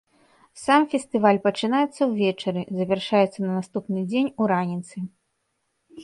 Сам фестываль пачынаецца ўвечары, завяршаецца на наступны дзень у раніцы.